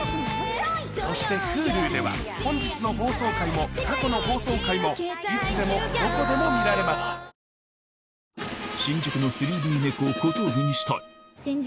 そしてＨｕｌｕでは本日の放送回も過去の放送回もいつでもどこでも見られますかわいいかわいい。